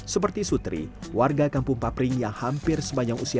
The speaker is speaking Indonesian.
seperti sutri warga kampung papering yang hampir sebanyak usianya